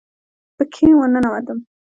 پکښې ورننوتم.